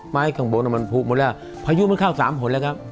ข้างบนมันผูกหมดแล้วพายุมันเข้าสามผลแล้วครับ